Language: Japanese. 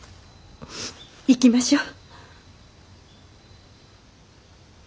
行きましょう。